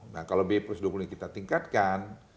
nah kalau b plus dua puluh ini kita tingkatkan